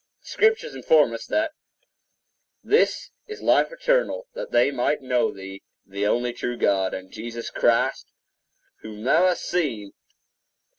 The Scriptures inform us that "This is life eternal that they might know thee, the only true God, and Jesus Christ whom thou hast sent."